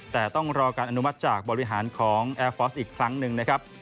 แต่ต้องรอการอนุมัติจากบริหารของแอร์ฟอร์สอีกครั้งหนึ่งนะครับ